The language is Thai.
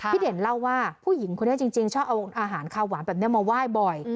เด่นเล่าว่าผู้หญิงคนนี้จริงชอบเอาอาหารขาวหวานแบบนี้มาไหว้บ่อย